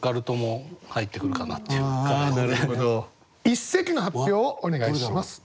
一席の発表をお願いします。